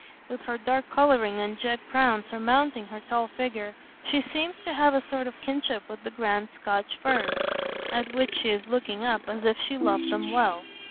With her dark colouring and jet crown surmounting her tall figure, she seems to have a sort of kinship with the grand Scotch firs, at which she is looking up as if she loved them well.